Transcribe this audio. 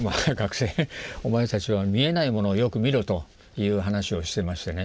「お前たちは見えないものをよく見ろ」という話をしてましてね。